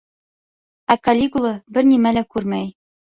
Ә Калигула бер нимә лә күрмәй.